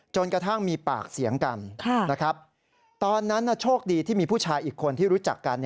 จนกระทั่งมีปากเสียงกันตอนนั้นโชคดีที่มีผู้ชายอีกคนที่รู้จักกัน